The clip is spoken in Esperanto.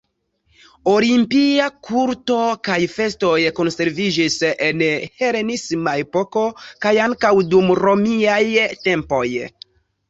Olimpia kulto kaj festoj konserviĝis en helenisma epoko kaj ankaŭ dum romiaj tempoj.